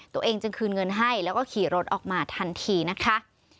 ตัวเองจึงคืนเงินให้แล้วก็ขี่รถออกมาทันทีนะคะ